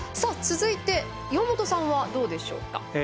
続いて、岩本さんはどうでしょうか？